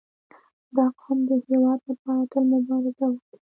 • دا قوم د هېواد لپاره تل مبارزه کړې.